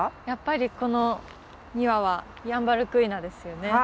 やっぱりこの２羽はヤンバルクイナですよね。